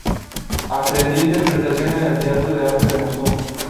Aprendió interpretación en el Teatro de Arte de Moscú.